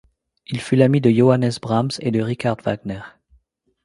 Il fut l'ami de Johannes Brahms et de Richard Wagner.